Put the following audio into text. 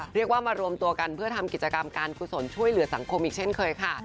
เรียกว่ามารวมตัวกันเพื่อทำกิจกรรมการกุศลช่วยเหลือสังคมอีกเช่นเคยค่ะ